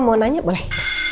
mama mau nanya boleh